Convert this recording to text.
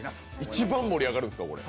一番盛り上がるんですか、これ。